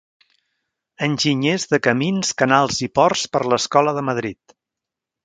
Enginyer de camins, canals i ports per l'Escola de Madrid.